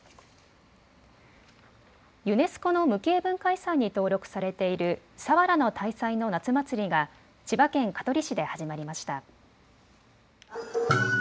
ユネスコの無形文化遺産に登録されている佐原の大祭の夏祭りが千葉県香取市で始まりました。